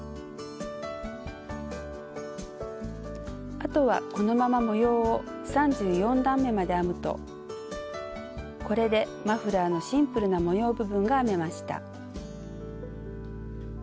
あとはこのまま模様を３４段めまで編むとこれでマフラーのシンプルな模様部分が編めました。